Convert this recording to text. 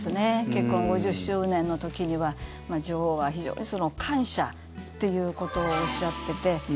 結婚５０周年の時には女王は非常に感謝ということをおっしゃってて。